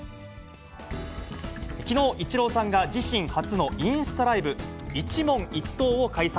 きのう、イチローさんが自身初のインスタライブ、イチ問一答を開催。